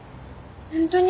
本当に？